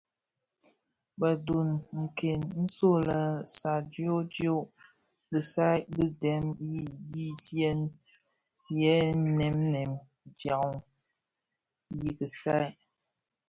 Bëdhub këň nso lè sadioodioo bisai bị dèm i ndigsièn yè nèm nèm dyan i kisaï.